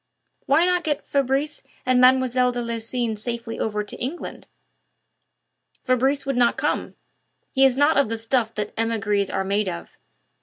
"Why not get Fabrice and Mlle. de Lucines safely over to England?" "Fabrice would not come. He is not of the stuff that emigres are made of.